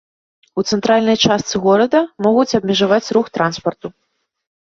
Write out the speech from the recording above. У цэнтральная частцы горада могуць абмежаваць рух транспарту.